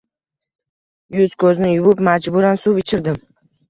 yuz-ko‘zini yuvib, majburan suv ichirdim.